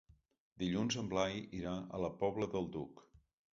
Dilluns en Blai irà a la Pobla del Duc.